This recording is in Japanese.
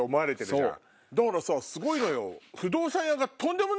だからさぁすごいのよ。